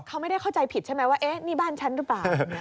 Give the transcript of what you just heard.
เขาไม่ได้เข้าใจผิดใช่ไหมว่าเอ๊ะนี่บ้านฉันหรือเปล่า